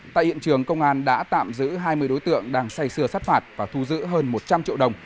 tại hiện trường công an đã tạm giữ hai mươi đối tượng đang say xưa sát phạt và thu giữ hơn một trăm linh triệu đồng